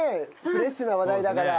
フレッシュな話題だから。